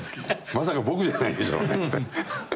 まさか僕じゃないでしょうねって。